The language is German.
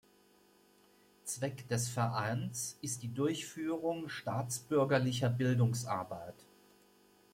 Zweck des Vereins ist die Durchführung staatsbürgerlicher Bildungsarbeit.